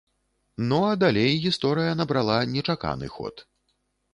Ну а далей гісторыя набрала нечаканы ход.